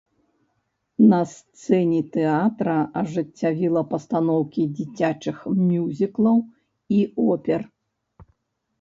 На сцэне тэатра ажыццявіла пастаноўкі дзіцячых мюзіклаў і опер.